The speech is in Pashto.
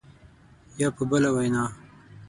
یا په بله وینا